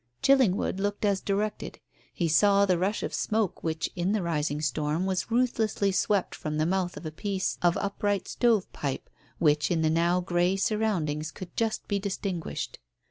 Chillingwood looked as directed. He saw the rush of smoke which, in the rising storm, was ruthlessly swept from the mouth of a piece of upright stove pipe, which in the now grey surroundings could just be distinguished.